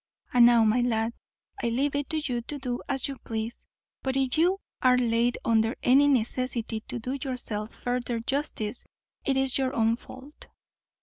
And now, my lad, I leave it to you to do as you please; but, if you are laid under any necessity to do yourself further justice, it is your own fault."